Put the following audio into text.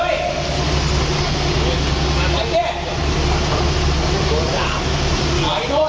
ยังขึ้นบนอย่างเดียวเลย